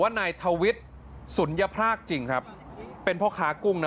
ว่านายทาวิดสุญพราคจริงครับเป็นพ่อค้ากุ้งน่ะ